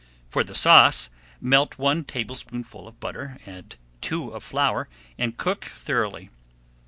For the sauce, melt one tablespoonful of butter, add two of flour, and cook thoroughly.